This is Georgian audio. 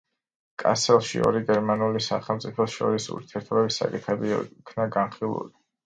კასელში ორ გერმანულ სახელმწიფოს შორის ურთიერთობების საკითხები იქნა განხილული.